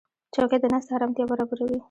چوکۍ د ناستې آرامتیا برابروي.